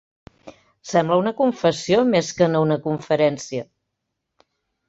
Sembla una confessió, més que no una conferència!